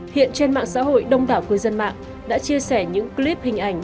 hiện trên mạng xã hội đông đảo cư dân mạng đã chia sẻ những clip hình ảnh